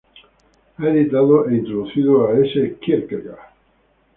Ha editado e introducido a "S. Kierkegaard.